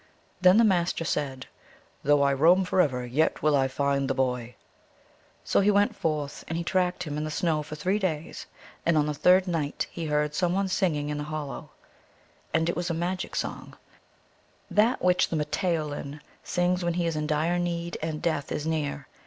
Then the Master said, " Though I roam forever, yet will I find the boy." So he went forth, and he tracked him in the snow for three days ; and on the third night he heard some one singing in a hollow; and it was a magic song, that which the rrfUoulin sings when he is in dire need and death is near.